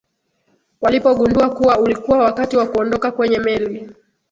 walipogundua kuwa ulikuwa wakati wa kuondoka kwenye meli